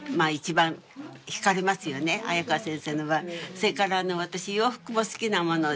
それから私洋服も好きなもので。